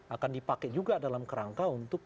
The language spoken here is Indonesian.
akan dipakai juga dalam kerangka untuk